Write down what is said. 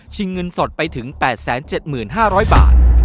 เงินสดไปถึง๘๗๕๐๐บาท